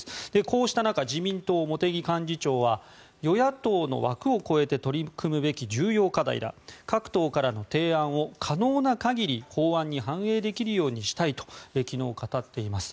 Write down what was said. こうした中自民党、茂木幹事長は与野党の枠を超えて取り組むべき重要課題だ各党からの提案を可能な限り法案に反映できるようにしたいと昨日、語っています。